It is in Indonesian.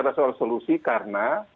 ada soal solusi karena